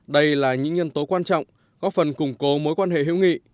đây là những nhân tố quan trọng góp phần củng cố mối quan hệ hữu nghị